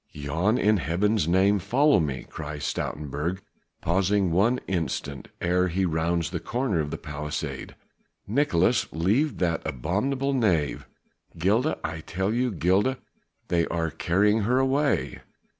"Jan, in Heaven's name, follow me!" cries Stoutenburg, pausing one instant ere he rounds the corner of the palisade. "Nicolaes, leave that abominable knave! Gilda, I tell you! Gilda! They are carrying her away!"